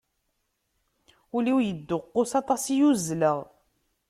Ul-iw yedduqus, aṭas i uzzleɣ.